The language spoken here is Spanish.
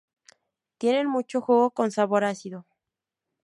Tienen mucho jugo con sabor ácido.